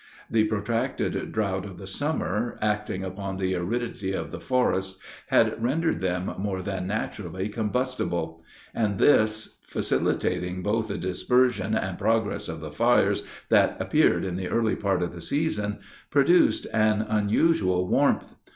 The protracted drought of the summer, acting upon the aridity of the forests, had rendered them more than naturally combustible; and this, facilitating both the dispersion and the progress of the fires that appeared in the early part of the season, produced an unusual warmth.